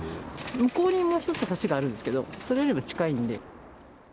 向こうにもう一つ橋があるんですけど、それよりも近いんで。